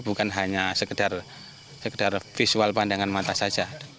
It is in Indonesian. bukan hanya sekedar visual pandangan mata saja